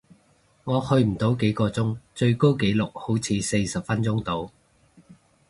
我去唔到幾個鐘，最高紀錄好似四十分鐘度